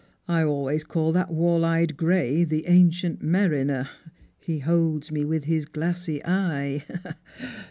I always call that wall eyed gray the Ancient Mariner. He holds me with his glassy eye.